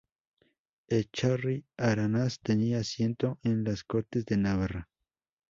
Echarri-Aranaz tenía asiento en las Cortes de Navarra.